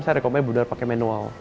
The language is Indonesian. saya rekomen benar benar pakai manual